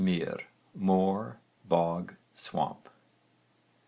myrr, moor, bog, swamp.